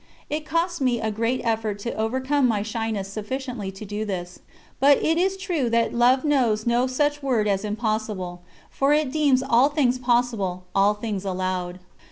It cost me a great effort to overcome my shyness sufficiently to do this. But it is true that Love knows no such word as "impossible," for it deems "all things possible, all things allowed."